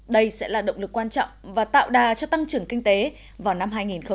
đây sẽ là động lực quan trọng và tạo đà cho tăng trưởng kinh tế vào năm hai nghìn hai mươi